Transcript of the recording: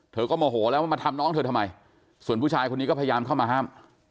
เธอก็โมโหแล้วว่ามาทำน้องเธอทำไมส่วนผู้ชายคนนี้ก็พยายามเข้ามาห้าม